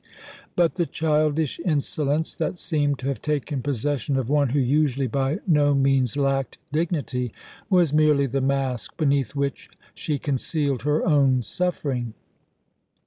But the childish insolence that seemed to have taken possession of one who usually by no means lacked dignity, was merely the mask beneath which she concealed her own suffering.